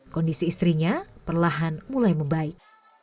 kondisi istrinya perlahan mulai membaik